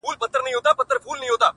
دا زموږ جونګړه بورجل مه ورانوی.!